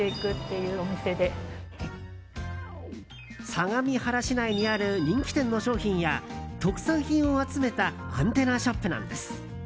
相模原市内にある人気店の商品や特産品を集めたアンテナショップなんです。